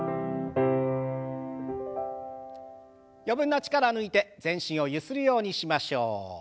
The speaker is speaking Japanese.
余分な力を抜いて全身をゆするようにしましょう。